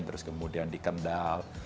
terus kemudian di kendal